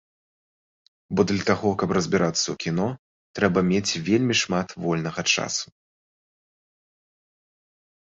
Бо для таго, каб разбірацца ў кіно, трэба мець вельмі шмат вольнага часу.